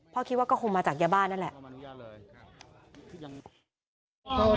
คิดว่าก็คงมาจากยาบ้านั่นแหละ